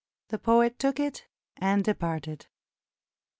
The poet took it and departed.